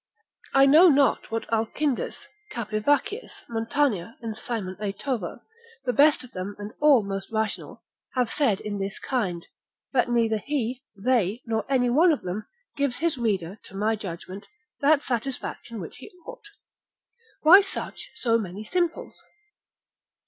I know not what Alkindus, Capivaccius, Montagna, and Simon Eitover, the best of them all and most rational, have said in this kind; but neither he, they, nor any one of them, gives his reader, to my judgment, that satisfaction which he ought; why such, so many simples?